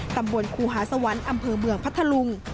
ครูหาสวรรค์อำเภอเมืองพัทธลุง